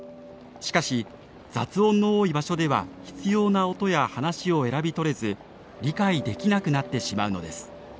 しかし雑音の多い場所では必要な音や話を選び取れず理解できなくなってしまうのです。